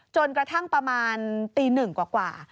จนกระทั่งประมาณตีหนึ่งกว่า